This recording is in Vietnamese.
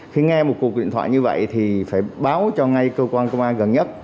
khi nghe một cuộc điện thoại như vậy thì phải báo cho ngay cơ quan công an gần nhất